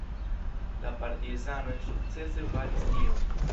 La partizanoj sukcese baris tion.